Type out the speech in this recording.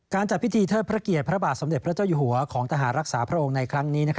จัดพิธีเทิดพระเกียรติพระบาทสมเด็จพระเจ้าอยู่หัวของทหารรักษาพระองค์ในครั้งนี้